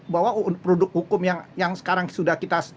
bahwa produk hukum yang sekarang sudah kita